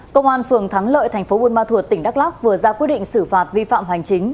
công an phường thắng lợi tp buôn ma thuột tỉnh đắk lắk vừa ra quyết định xử phạt vi phạm hoành chính